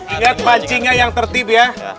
ingat pancinya yang tertib ya